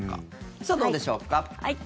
さあ、どうでしょうか。